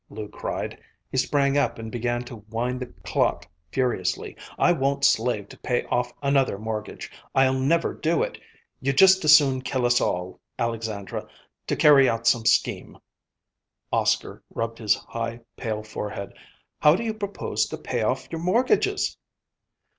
Lou cried. He sprang up and began to wind the clock furiously. "I won't slave to pay off another mortgage. I'll never do it. You'd just as soon kill us all, Alexandra, to carry out some scheme!" Oscar rubbed his high, pale forehead. "How do you propose to pay off your mortgages?"